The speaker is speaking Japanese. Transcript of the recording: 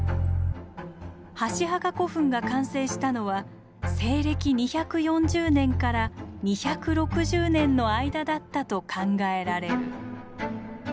箸墓古墳が完成したのは西暦２４０年から２６０年の間だったと考えられる。